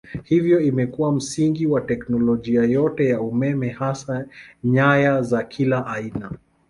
Hivyo imekuwa msingi wa teknolojia yote ya umeme hasa nyaya za kila aina.